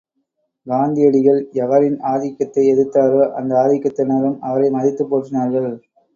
காந்தியடிகள் எவரின் ஆதிக்கத்தை எதிர்த்தாரோ, அந்த ஆதிக்கத்தினரும் அவரை மதித்துப் போற்றினார்கள்.